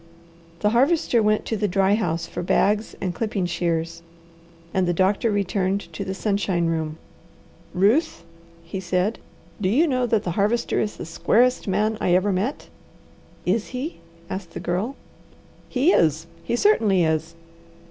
The Harvester went to the dry house for bags and clipping shears, and the doctor returned to the sunshine room. "Ruth," he said, "do you know that the Harvester is the squarest man I ever met?" "Is he?" asked the Girl. "He is! He certainly is!"